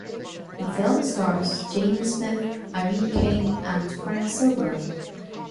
The film stars Jamie Smith, Irene Kane, and Frank Silvera.